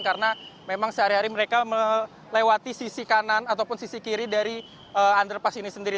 karena memang sehari hari mereka melewati sisi kanan ataupun sisi kiri dari underpass ini sendiri